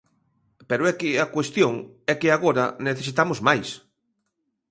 Pero é que a cuestión é que agora necesitamos máis.